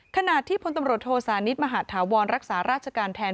ขณะที่พตโทษานิทมหาฐวรรักษาราชการแทน